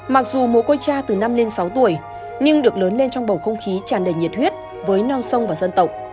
mặc dù mố côi cha từ năm lên sáu tuổi nhưng được lớn lên trong bầu không khí chàn đầy nhiệt huyết với non sông và dân tộc